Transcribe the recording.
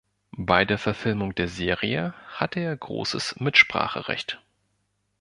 Bei der Verfilmung der Serie hatte er großes Mitspracherecht.